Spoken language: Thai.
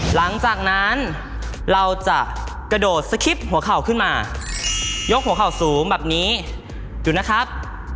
หลังจากนั้นเราจะกระโดดสคริปต์หัวเข่าขึ้นมายกหัวเข่าสูงแบบนี้อยู่นะครับ